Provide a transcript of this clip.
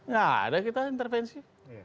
tidak ada intervensi